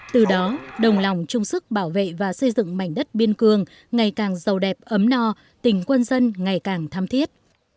từ đó đồng lòng chung sức bảo vệ và xây dựng mảnh đất biên cường ngày càng giàu đẹp ấm no tỉnh quân dân ngày càng tham thiết